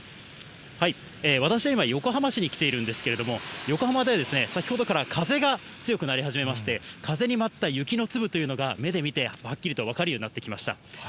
私は今、横浜市に来ているんですけれども、横浜では先ほどから風が強くなり始めまして、風に舞った雪の粒というのが、目で見てはっきりと分かるようになってきました。